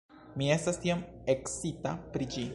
Mi estas tiom ekscita pri ĝi